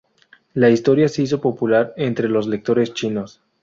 La historia se hizo popular entre los lectores chinos.